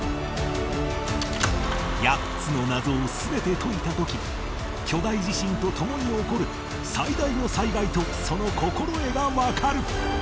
８つの謎を全て解いた時巨大地震と共に起こる最大の災害とその心得がわかる